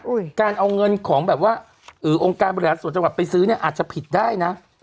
การเอาเงินของแบบว่าองค์การบริหารส่วนจังหวัดไปซื้อเนี่ยอาจจะผิดได้นะ